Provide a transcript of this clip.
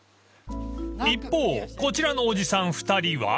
［一方こちらのおじさん２人は］